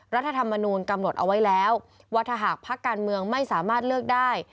รัฐธรรมนูลกำหนดเอาไว้แล้วว่าถ้าหากพักการเมืองไม่สามารถเลือกได้